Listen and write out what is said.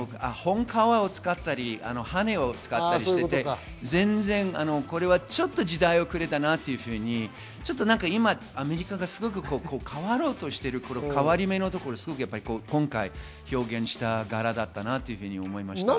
本皮を使ったり羽を使ったりしていて、ちょっと時代遅れだなというふうに今、アメリカがすごく変わろうとしている、変わり目のところですごく今回表現した柄だったなと思いました。